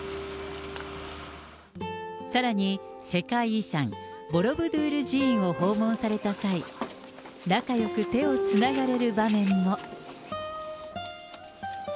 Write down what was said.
さらに、世界遺産、ボロブドゥール寺院を訪問された際、仲よく手をつながれる場面も。